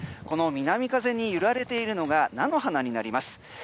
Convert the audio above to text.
この南風に揺られているのが菜の花です。